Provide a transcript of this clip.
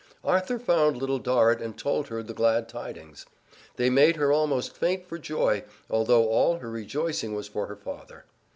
Arthur found Little Dorrit and told her the glad tidings. They made her almost faint for joy, although all her rejoicing was for her father.